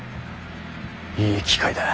いい機会だ。